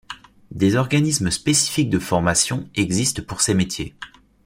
Des organismes spécifiques de formation existent pour ces métiers.